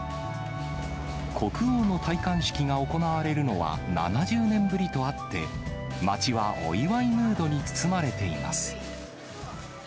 国王の戴冠式が行われるのは、７０年ぶりとあって、街はお祝いムードに包まれています。